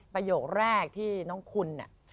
ประโยคแรกที่น้องคุณ